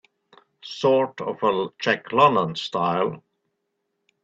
Sort of a Jack London style?